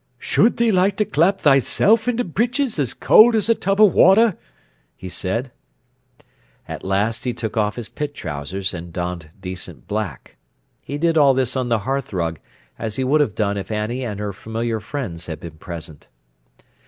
"Should thee like to clap thysen into britches as cowd as a tub o' water?" he said. At last he took off his pit trousers and donned decent black. He did all this on the hearthrug, as he would have done if Annie and her familiar friends had been present.